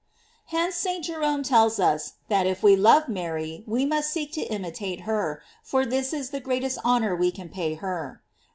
Hence St. Jerome tells us, that if we love Mary, we must seek to imitate her, for this is the greatest honor we can pay hcr.